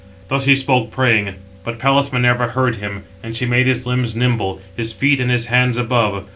Thus he spoke, praying; but Pallas Minerva heard him; and she made his limbs nimble, his feet and his hands above.